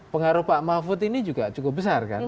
pengaruh pak mahfud ini juga cukup besar kan